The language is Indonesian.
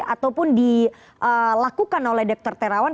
ataupun dilakukan oleh dr terawan